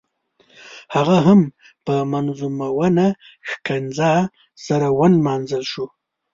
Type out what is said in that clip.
هغه هم په منظمونه ښکنځا سره ونمانځل شو.